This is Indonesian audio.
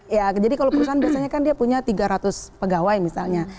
ya jadi kalau perusahaan biasanya kan dia punya tiga ratus pegawai misalnya